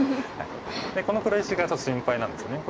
でこの黒石がちょっと心配なんですよね。